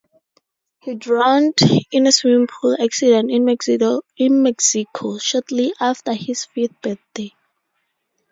He drowned in a swimming pool accident in Mexico shortly before his fifth birthday.